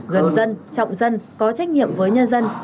gần dân trọng dân có trách nhiệm với nhân dân